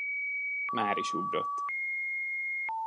Máris ugrott.